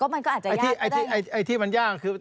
ก็มันก็อาจจะยากไม่ได้ไอ้ที่มันยากคือ